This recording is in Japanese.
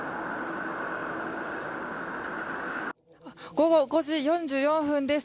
午後５時４５分です。